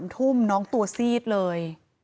ทุ่มน้องตัวซีดเลย